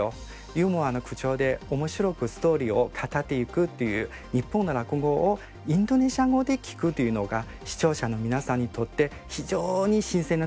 ユーモアな口調で面白くストーリーを語っていくっていう日本の落語をインドネシア語で聞くというのが視聴者の皆さんにとって非常に新鮮な体験だと思います。